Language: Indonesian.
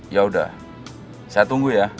yaudah saya tunggu ya